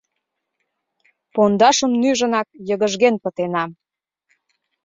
Пондашым нӱжынак, йыгыжген пытенам.